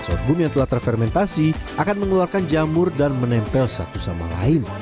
sorghum yang telah terfermentasi akan mengeluarkan jamur dan menempel satu sama lain